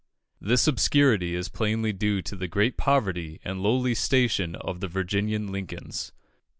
This obscurity is plainly due to the great poverty and lowly station of the Virginian Lincolns.